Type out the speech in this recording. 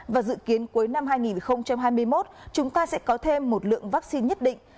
và dự kiến cuối năm hai nghìn hai mươi một chúng ta sẽ có thêm một lượng vaccine nhất định